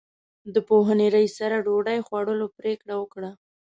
د پوهنې رئیس سره ډوډۍ خوړلو پرېکړه وکړه.